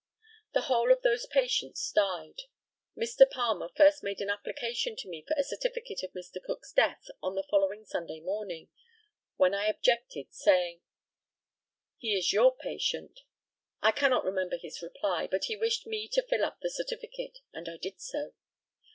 The whole of those patients died. Mr. Palmer first made an application to me for a certificate of Mr. Cook's death on the following Sunday morning, when I objected, saying, "He is your patient." I cannot remember his reply; but he wished me to fill up the certificate, and I did so.